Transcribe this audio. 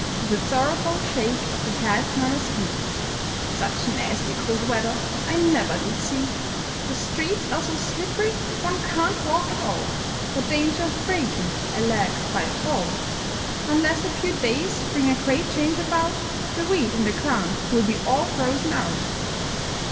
With a sorrowful shake of the head murmurs he, "Such nasty cold weather I never did see; The streets are so slip'ry one can't walk at all, For danger of breaking a leg by a fall; Unless a few days bring a great change about, The wheat in the ground will be all frozen out."